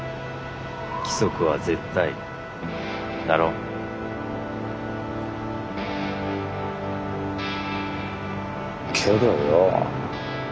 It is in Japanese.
規則は絶対だろ？けどよ。